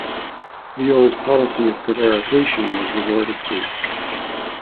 The old policy of prevarication was resorted to.